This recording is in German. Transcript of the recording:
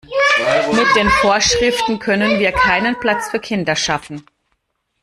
Mit den Vorschriften können wir keinen Platz für Kinder schaffen.